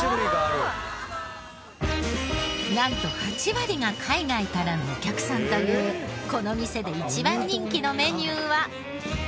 なんと８割が海外からのお客さんというこの店で一番人気のメニューは。